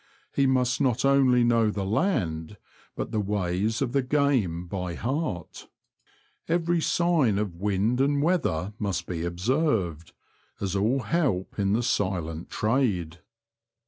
He must not only know the land, but the ways of the game by heart. Every sign of wind and weather must be observed, as all The Confessions of a Poacher, 47 help in the silent trade.